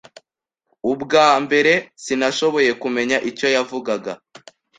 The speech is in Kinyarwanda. Ubwa mbere, sinashoboye kumenya icyo yavugaga.